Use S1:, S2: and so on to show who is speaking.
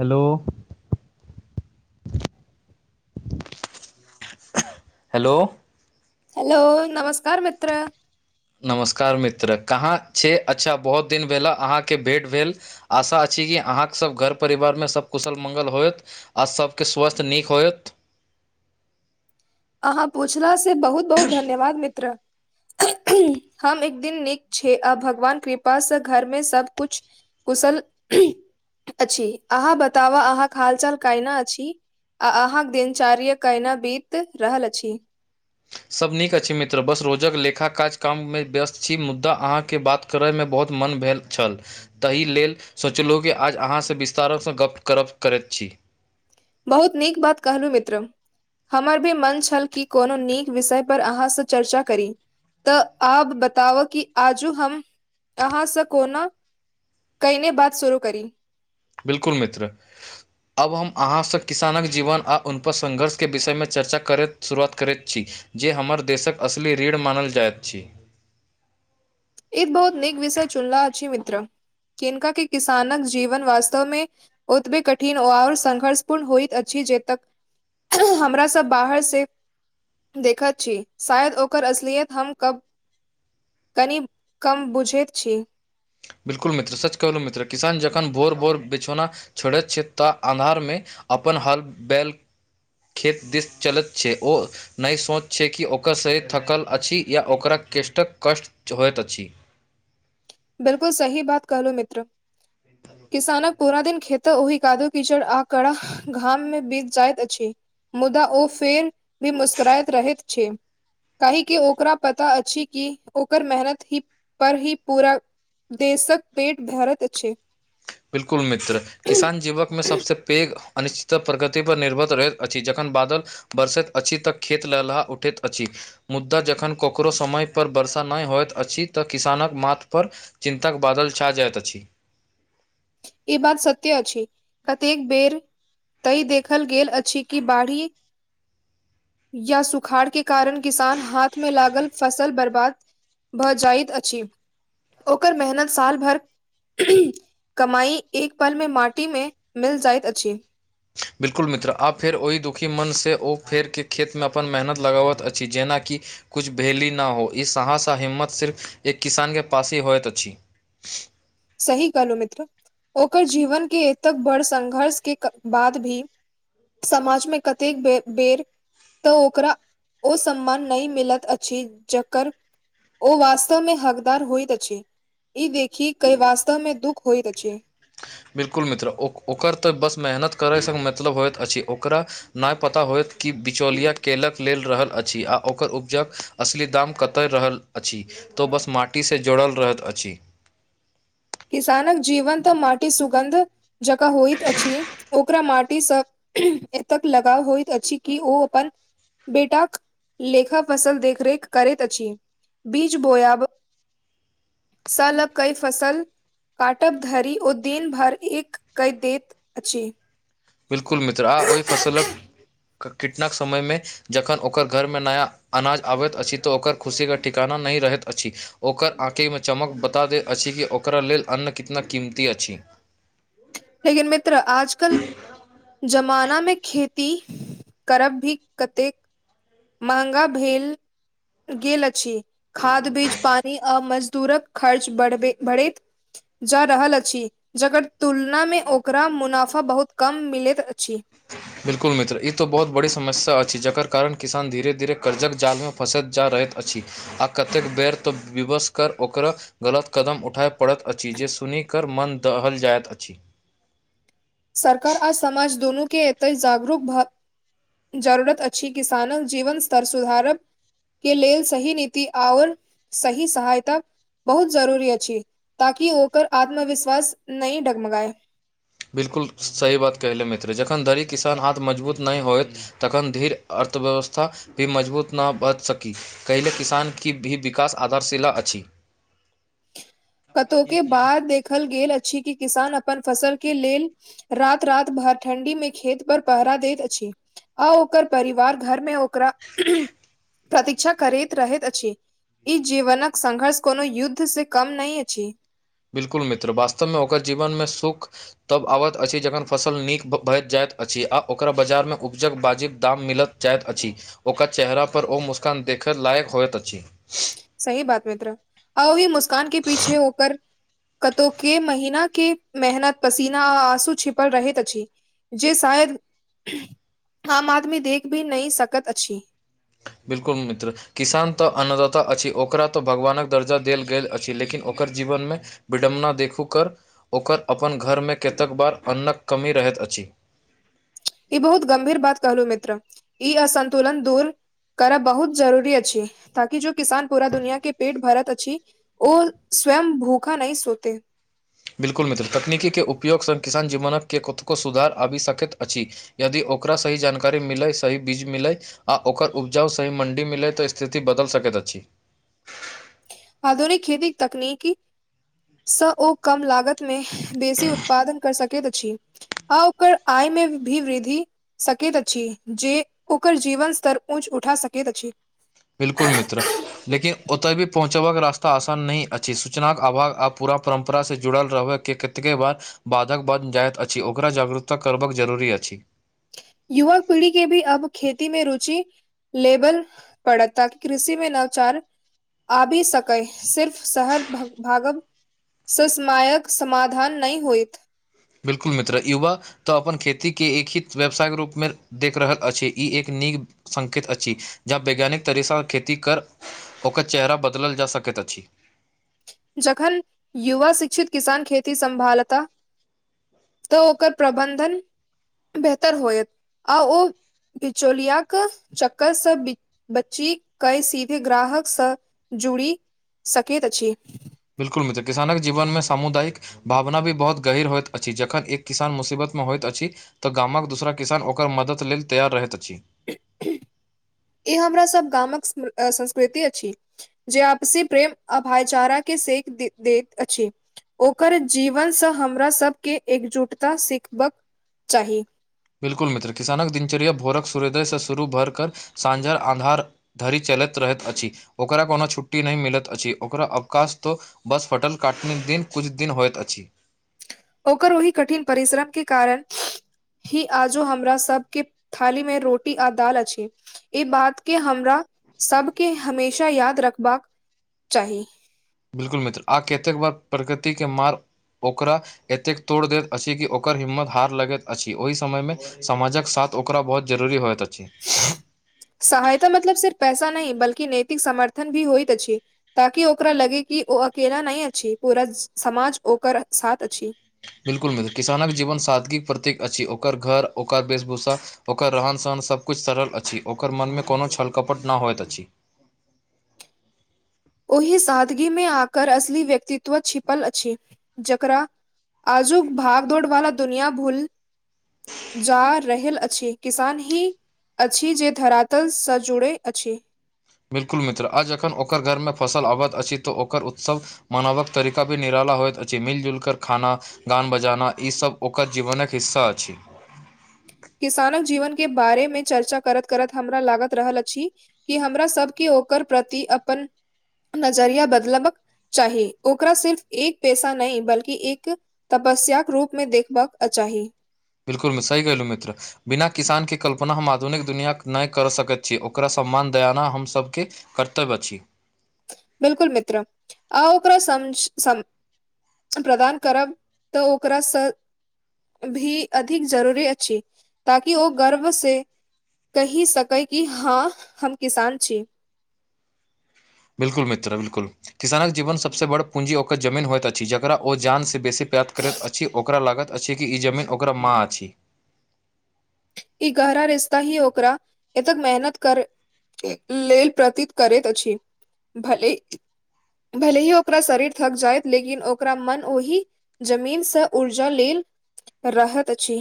S1: Hello hello
S2: hello नमस्कार मित्र
S1: नमस्कार मित्र कहाँ छै अच्छा बहुत दिन भेला अहाँके भेट भेल आशा अछि कि अहाँके सभ घर परिवारमे सभ कुशल मङ्ंगल होयत आ सभके स्वास्थ्य नीक होयत
S2: अहाँ पुछला से बहुत बहुत धन्यवाद मित्र हम एक दिन नीक छी आ भगवान कृपा से घरमें सब कुछ कुशल अछि अहाँ बताबा अहाँक हाल चाल कना अछि आ अहाँक दिनचार्य कयना बीत रहल अछि
S1: सब नीक अछि मित्र बस रोजक लेखा काज काम मे व्यस्त छी मुदा अहाँकेँ बात करैमे बहुत मन भेल छल तहि लेल सोचलहुँ कि आज अहाँसँ विस्तारसँ गप्प करप करैत छी
S2: बहुत नीक बात कहलहुँ मित्र हमर भी मन छल कि कोनो नीक विषय पर अहाँसँ चर्चा करी तऽ आब बताब कि आजू हम अहाँसँ कोना कईने बात शुरू करि
S1: बिलकुल मित्र आब हम अहाँसँ किसानक जीवन आ उनपर संङ्घर्षके विषयमे चर्चा करैत शुरुआत करैत छी जे हमर देशक असली रीढ़ मानल जाइत छी
S2: ई बहुत नीक विषय चुनला अछि मित्र किनका के किसानक जीवन वास्तव मे ओतबी कठिन आउर संघर्ष पूर्ण होइत अछि जेतक हमरास बाहरसे देखत छी शायद ओकर असलियत हम कब कनि कम बुझैत छी
S1: बिल्कुल मित्र सच कहलहुँ मित्र किसान जखन भोर भोर बेछौना छोड़ैत छै तऽ आन्धारमे अपन हल बैल खेत दिस चलैत छै ओ नहि सोच छै कि ओकर शरीर थकल अछि या ओकरा कष्टक कष्ट होइत अछि
S2: बिलकुल सही बात कहलो मित्र किसानक पूरा दिन खेते ओहि कादो कीचड़ आ कड़ा घाम में बीत जाइत अछि मुदा ओ फेर भी मुस्कराइत रहैत छै काहेकि ओकरा पता अछि कि ओकर मेहनत ही पर ही पूरा देशक पेट भरत अछि
S1: बिल्कुल मित्र किसान जीवकमे सभसँ पैघ अनिश्चित प्रगतिपर निर्भर रहैत अछि जखन बादल बरसैत अछि तऽ खेत ललहा उठैत अछि मुद्दा जखन ककरो समय पर वर्षा नहि होइत अछि तऽ किसानक माथपर चिता कऽ बादल छा जाइत अछि
S2: ई बात सत्य अछि कतेक बेर तय देखल गेल अछि कि बाढ़ी या सुखाड़ के कारण किसान हाथ में लागल फसल बर्बाद भऽ जाइत अछि [inaudible] ओकर मेहनत [inaudible] साल भर कमाई एक पलमे माटी मे मिल जाइत अछि
S1: बिल्कुल मित्र आब फेर ओहि दुखी मनसँ ओ फेरके खेतमे अपन मेहनत लगबैत अछि जेनाकि कुछ भेली ना हो ई सहसा हिम्मत सिर्फ एक किसान के पास ही होइत अछि
S2: सही कहलहु मित्र ओकर जीवन के एतक बड़ संघर्ष के बाद भी समाज में कतेकऽ बेर बेर तऽ ओकरा [inaudible] ओ सम्मान नै मिलत अछि जकर ओ वास्तव मे हकदार होइत अछि ई देखि कइ वास्तव मे दुख होइत अछि
S1: बिल्कुल मित्र ओकर तऽ बस मेहनत करयसँ मतलब होइत अछि ओकरा नहि पता होयत कि बिचौलिया केलक लेल रहल अछि आ ओकर उपजक असली दाम कतय रहल अछि तऽ बस माटि सँ जोड़ल रहत अछि।
S2: किसानक जीवनतऽ माटी सुगन्ध जका होइत अछि ओकरा माटी सँ एतक लगाव होइत अछि कि ओ अपन बेटाक लेखा फसल देखरेख करैत अछि बीज बोयब [inaudible] साल कऽ कई फसल काटब धरि ओ दिन भरि एक कई दैत अछि
S1: बिल्कुल मित्र आ ओहि फसलक [inaudible] कीटनाक समय मे जखन ओकर घरमे नया अनाज आबैत अछि तऽ ओकर खुशीे क ठिकाना नहि रहैत अछि ओकर आँखेमे चमक बता दैत अछि कि ओकरा लेल अन्न कितना कीमती अछि
S2: लेकिन मित्र आजकल [inaudible] जमाना मे खे करब भी कतेक महगा भेल गेल अछि खाद बीज पानी आ मजदूरक खर्च बढ़ बढ़ैत जा रहल अछि जकर तुल नामे ओकरा मुनाफा बहुत कम मिलैत अछि
S1: बिल्कुल मित्र ई तऽ बहुत बड़ी समस्या अछि जकर कारण किसान धीरे धीरे कर्जकऽ जाल मे फँसैत जा रहत अछि आ कतेक बेर तऽ विवस कर ओकरो गलत कदम उठय पड़ैत अछि जे सुनि कऽ मन दहल जाइत अछि
S2: सरकार आ समाज दोनू के एतय जागरूक भ जरूरत अछी किसानक जीवन स्तर सुधार व के लेल सही नीति आओर सही सहायता बहुत जरूरी अछि ताकि ओ ओकर आत्मविश्वास नै डगमगाय
S1: बिल्कुल सही बात कहले मित्र जखन धरी किसान हाथ मजबूत नहि होइत तखन धीर अर्थव्यवस्था भी मजबूत न बच सकी कयले किसान की भी विकास आधारशिला अछि [inaudible]
S2: कतहु के बाद देखल गेल अछि कि किसान अपन फसल के लेल रात रात भर ठण्डी में खेत पर पहरा देैत अछि आ ओकर परिवार घरमे ओकरा प्रतीक्षा करैत रहैत अछि ई जीवनक संघर्ष कोनो युद्ध से कम नै छी।
S1: बिल्कुल मित्र वास्तवमे ओकर जीवनमे सुख तब आबैत अछि जखन फसल नीक भए जाइत अछि आ ओकरा बाजारमे उपजक बाजी दाम मिलत जाइत अछि ओकर चेहरा पर ओ मुस्कान देखय लायक होइत अछि
S2: सही बात मित्र आ ओहि मुस्कान के पीछे ओकर कतौ के महिना के मेहनत पसीना आ आँसू छिपल रहैत अछि जे शायद आम आदमी देख भी नहि सकत अछि
S1: बिल्कुल मित्र किसान तऽ अन्नदाता अछि ओकरा तऽ भगवानक दर्जा देल गेल अछि लेकिन ओ कर जीवनमे विडंबना देखू कर ओकर अपन घरमे केतक बार अन्नक कमी रहैत अछि
S2: ई बहुत गंमभीर बात कहलु मित्र ई असन्तुलन दूर करब बहुत जरूरी अछि ताकि जो किसान पूरा दुनिया के पेट भरत अछि ओ स्वयं भूखा नहि सोते
S1: बिल्कुल मित्र तकनीकीके उपयोगसँ किसान जीवनके कतुको सुधार आबि सकैत अछि यदि ओकरा सही जानकारी मिलै सही बीज मिलै। आ ओकर उपजाउ सही मण्डी मिलय तऽ स्थिति बदल सकैत अछि
S2: आधुनिक खेती तकनीकी स ओ कम लागत नै बेसी उत्पादन कर सकैत अछि आ ओकर आय मे भी वृद्धि सकैत अछि जे ओकर जीवन स्तर ऊँच उठा सकैत अछि
S1: बिलकुल मित्र लेकिन ओतय भी पहुँचबाक रास्ता आसान नहि अछि सूचनाक अभाव आब पूरा परम्परा से जुड़ल रहैके कतेक के बाद बाधक बन जायइत अछि ओकरा जागरूकता करबाक जरूरी अछि
S2: युवा पीढ़ी केँ भी अब खेती मे रुचि लेबल पड़त ताकि कृषि मे नवचार आ भी सकै सिर्फ शहर भागव ससमायक समाधान नहि होयत
S1: बिल्कुल मित्र युवा तऽ अपन खेतीके एक ही व्यवसायके रूपमे देख रहल अछि ई एक नीक संकेत अछि जह वैज्ञानिक तरसा खेती कर ओकर चेहरा बदलल जा सकैत अछि
S2: जखन युवा शिक्षित किसान खेती सम्भालत तऽ ओकर प्रबन्धन बेहतर होयत आ ओ बिचोलियाक चक्करसँ बच्ची कै सीधे ग्राहकस जुड़ी सकैत अछि
S1: बिल्कुल मित्र किसानक जीवन मे सामुदायिक भावना भी बहुत गहीर होइत अछि जखन एक किसान मुसीबत मे होइत अछि तऽ गामक दूसरा किसान ओकर मदद लेल तैयार रहैत अछि
S2: ई हमरा सब गामक संस्कृति अछि जे आपसी प्रेम आ भाईचारा के सेक दे दैत अछि ओकर जीवनसँ हमरा सभके एकजुटता सिखबक चाही
S1: बिलकुल मित्र किसानक दिनचर्या भोरक सूर्योदय से शुरू भर कर सांझार आन्धार धरि चलैत रहैत अछि ओकरा कोनो छुट्टी नहि मिलत अछि ओकरा अवकाश तऽ बस फटल काटने दिन कुछ दिन होइत अछि
S2: ओकर ओहि कठिन परिश्रम के कारण ही आजो हमरा सब के थाली मे रोटी आ दाल अछि ई बात के हमरा सबके हमेशा याद रखबाक चाही
S1: बिलकुल मित्र आ कतेक बार प्रकृति के मार ओकरा एतेक तोड़ दैत अछि कि ओकर हिम्मत हार लगैत अछि ओहि समयमे समाजक साथ ओकरा बहुत जरूरी होइत अछि
S2: सहायता मतलब सिर्फ पैसा नहि बल्कि नैतिक समर्थन भी होइत अछि ताकि ओकरा लगे कि ओ अकेला नहि अछि पूरा समाज ओकर साथ अछि
S1: बिल्कुल मिल किसानक जीवन सादगीक प्रतीक अछि ओकर घर ओकर वेशभूषा ओकर रहन सहन सबकुछ सरल अछि ओकर मनमे कोनो छलकपट नहि होइत अछि
S2: ओहि सादगी मे आकर असली व्यक्तित्व छिपल अछि जकरा आजुक भाग दौड़ वाला दुनिया भूल जा रहल अछि किसान ही अछि जे धरातलस जुड़ै अछि
S1: बिल्कुल मित्र आ जखन ओकर घरमे फसल आबैत अछि तऽ ओकर उत्सव मनावक तरीका भी निराला होयत अछि मिलजुल कर खाना गान बजाना ईसभ ओकर जीवनक हिस्सा अछि
S2: किसानक जीवन के बारे मे चर्चा करत करत हमरा लागत रहल अछि कि हमरा सबके ओकर प्रति अपन नजरिया बदलाबक चाही ओकरा सिर्फ एक पैसा नहि बल्कि एक तपस्याक रूपमे देखबाक अचाहि
S1: बिल्कुल सी कहहुँ मित्र बिना किसानके कल्पना हम आधुनिक दुनिआ नहि करि सकैत छी ओकरा सम्मान दयाना हम सभके कर्तव्य अछि
S2: बिलकुल मित्र आ ओकरा समझ सम प्रदान करब तऽ ओकराँ भी अधिक जरूरी अछि ताकि ओ गर्व से कहि सकै कि हँ हम किसान छि
S1: बिल्कु मित्र बिलकुल किसानक जीवन सबसँ बड़ पूंजी ओकर जमीन होइत अछि जकरा ओ जानसँ बेसी प्राप्त करैत अछि ओकरा लागत अछि कि ई जमीन ओकरा माँ अछि
S2: ई गहरा रिश्ता ही ओकरा ए तक मेहनत कर लेल प्रतीत करैत अछि भलै भले ही ओकरा शरीर थक जायइत लेकिन ओकरा मन ओहि जमीनसँ ऊर्जा लेल रहत अछि